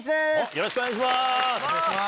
よろしくお願いします。